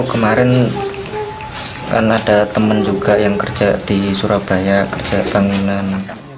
kemarin kan ada teman juga yang kerja di surabaya kerja bangunan